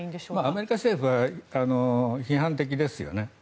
アメリカ政府は批判的ですよね。